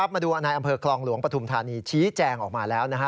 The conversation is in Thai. มาดูอันยังไงอำเภอกลองหลวงปฐุมธานีชี้แจงออกมาแล้วนะฮะ